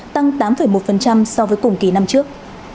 tăng tám một so với cùng kỳ năm trước